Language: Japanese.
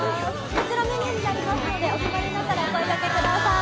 こちらメニューになりますのでお決まりになったらお声がけください。